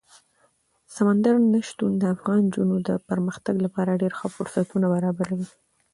سمندر نه شتون د افغان نجونو د پرمختګ لپاره ډېر ښه فرصتونه برابروي.